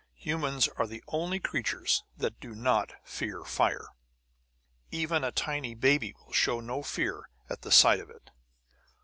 "Humans are the only creatures that do not fear fire! Even a tiny baby will show no fear at the sight of it."